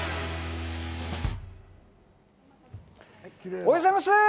おはようございます。